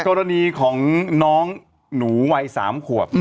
กรณีของน้องหนูวัย๓ขวบ